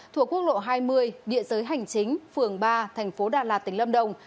thuộc quốc lộ hai mươi địa giới hành chính phường ba thành phố đà lạt tỉnh lâm đồng